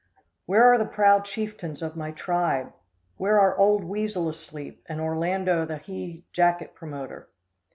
Where are the proud chieftains of my tribe? Where are Old Weasel Asleep and Orlando the Hie Jacet Promoter?